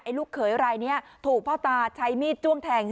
ไอ้ลูกเขยไรเนี่ยถูกเพาะตาชัยมีดจ้วงแทง